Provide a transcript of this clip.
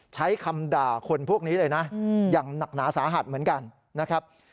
ใช้คำด่าคนพวกนี้เลยนะอย่างหนักหนาสาหัสเหมือนกันนะครับ